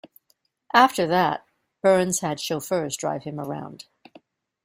After that, Burns had chauffeurs drive him around.